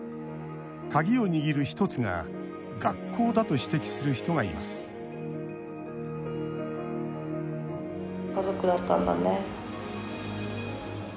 鍵を握る１つが学校だと指摘する人がいます家族だったんだね。